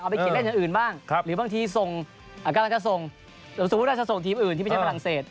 โดยยอตไปเขียนเล่นอื่นบ้างหรือบางทีจะทรงทีมอื่นเท่าที่ไม่ใช้ฝรั่งเศส